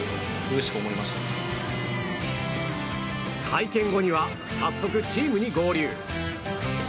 会見後には早速チームに合流。